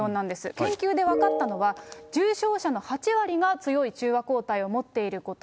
研究で分かったのは、重症者の８割が強い中和抗体を持っていること。